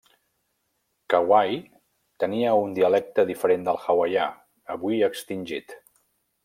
Kauai tenia un dialecte diferenciat del hawaià, avui extingit.